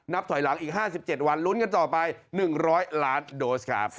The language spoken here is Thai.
ถอยหลังอีก๕๗วันลุ้นกันต่อไป๑๐๐ล้านโดสครับ